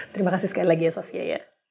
terima kasih sekali lagi ya sofia ya